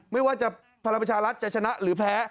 ไม่ว่าจะพลังประชารัฐจะชนะหรือแพ้